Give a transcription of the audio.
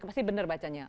pasti benar bacanya